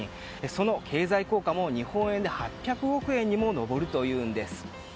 その経済効果も日本円で８００億円にも上るというんです。